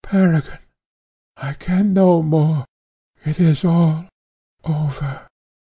Peregrine I can no more it is all over!"